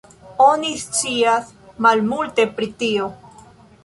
Oni scias malmulte pri tio.